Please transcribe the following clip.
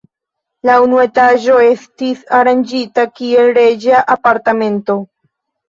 La unua etaĝo estis aranĝita kiel reĝa apartamento.